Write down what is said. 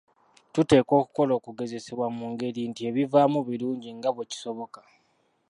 Tuteekwa okukola okugezesebwa mu ngeri nti ebivaamu birungi nga bwe kisoboka.